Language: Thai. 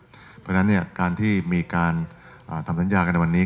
เพราะฉะนั้นการที่มีการทำสัญญากันในวันนี้